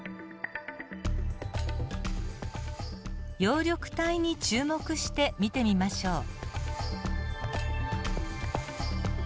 葉緑体に注目して見てみましょう。